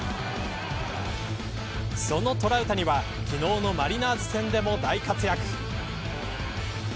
そのトラウタニはきのうのマリナーズ戦でも大活躍。